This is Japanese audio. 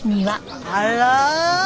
あら？